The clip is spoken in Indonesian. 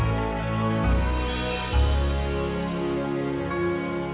nggak ntar gue yang stres